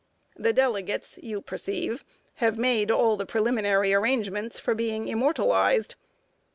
The delegates, you perceive, have made all the preliminary arrangements for being immortalized.